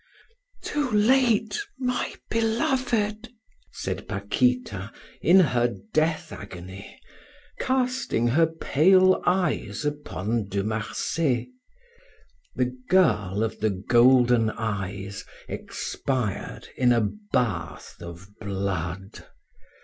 "Too late, my beloved!" said Paquita, in her death agony, casting her pale eyes upon De Marsay. The girl of the golden eyes expired in a bath of blood.